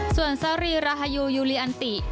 ส่วนซารีราฮายูลีอันติ